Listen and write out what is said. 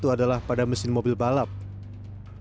adalah pada mesin mobil bahasa